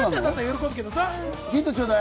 ヒントちょうだい！